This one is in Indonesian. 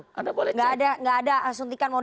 tidak ada suntikan modal yang memusnahkan